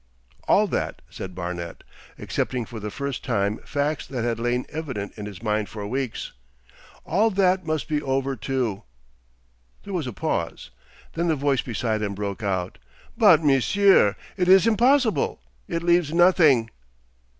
'All that,' said Barnet, accepting for the first time facts that had lain evident in his mind for weeks; 'all that must be over, too.' There was a pause. Then the voice beside him broke out. 'But, Monsieur, it is impossible! It leaves—nothing.